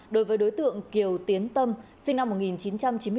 đối với đối tượng kiều tiến tâm sinh năm một nghìn chín trăm chín mươi bốn